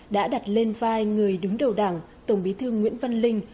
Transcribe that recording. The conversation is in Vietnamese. đã đặt lên vai người đứng đầu đảng tổng bí thư nguyễn văn linh